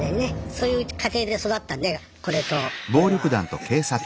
そういう家庭で育ったんでこれとこれは。